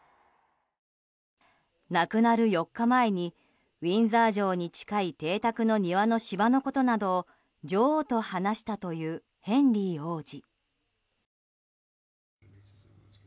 亡くなる４日前にウィンザー城に近い邸宅の庭の芝のことなどを女王と話したというヘンリー王子。